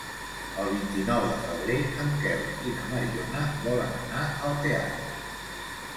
El vint-i-nou de febrer en Quel i na Mariona volen anar al teatre.